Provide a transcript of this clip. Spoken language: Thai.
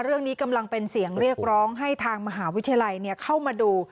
เรื่องนี้กำลังเป็นเสียงเรียกร้องให้ทางมหาวิทยาลัยเข้ามาดู